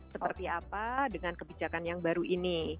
seperti apa dengan kebijakan yang baru ini